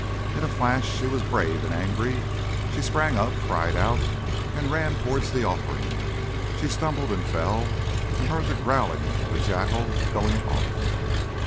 In a flash she was brave and angry; she sprang up, cried out, and ran towards the offering. She stumbled and fell, and heard the growling of the jackal going off.